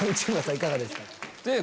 いかがでしたか？